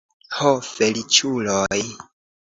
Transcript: Ho, feliĉuloj!